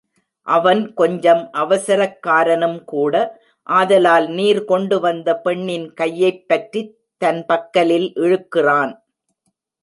அவன் கொஞ்சம் அவசரக்காரனும் கூட ஆதலால் நீர் கொண்டு வந்த பெண்ணின் கையைப் பற்றித் தன் பக்கலில் இழுக்கிறான்.